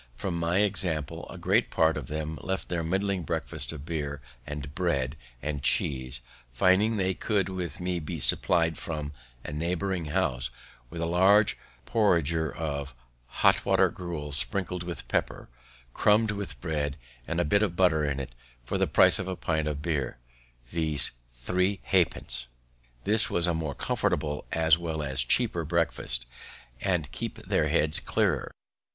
From my example, a great part of them left their muddling breakfast of beer, and bread, and cheese, finding they could with me be supply'd from a neighbouring house with a large porringer of hot water gruel, sprinkled with pepper, crumb'd with bread, and a bit of butter in it, for the price of a pint of beer, viz., three half pence. This was a more comfortable as well as cheaper breakfast, and keep their heads clearer.